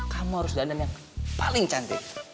kamu harus danem yang paling cantik